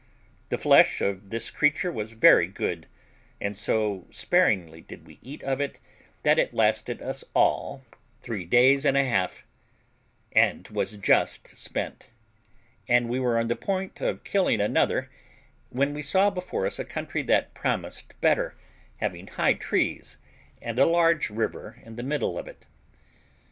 The flesh of this creature was very good, and so sparingly did we eat of it that it lasted us all three days and a half, and was just spent; and we were on the point of killing another when we saw before us a country that promised better, having high trees and a large river in the middle of it.